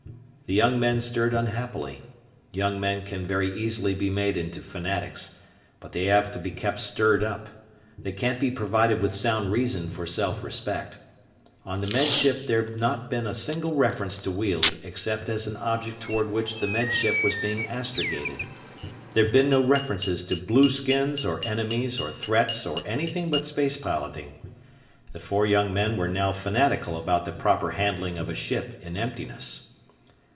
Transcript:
The young men stirred unhappily. Young men can very easily be made into fanatics. But they have to be kept stirred up. They can't be provided with sound reason for self respect. On the Med Ship there'd not been a single reference to Weald except as an object toward which the Med Ship was being astrogated. There'd been no reference to blueskins or enemies or threats or anything but space piloting. The four young men were now fanatical about the proper handling of a ship in emptiness.